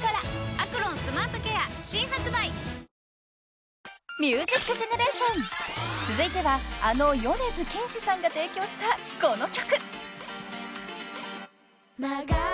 「アクロンスマートケア」新発売！［『ミュージックジェネレーション』続いてはあの米津玄師さんが提供したこの曲］